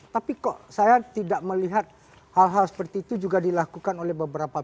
tapi kok saya tidak melihat hal hal seperti itu juga dilakukan oleh beberapa